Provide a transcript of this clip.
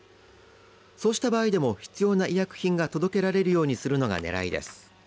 そうした場合でも、必要な医薬品が届けられるようにするのが狙いです。